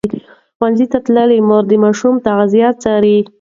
ښوونځې تللې مور د ماشوم تغذیه څاري.